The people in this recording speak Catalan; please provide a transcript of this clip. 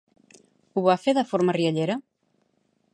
Ho va fer de forma riallera?